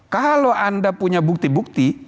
kalau anda punya bukti bukti